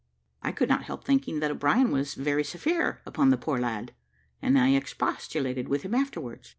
I could not help thinking that O'Brien was very severe upon the poor lad, and I expostulated with him afterwards.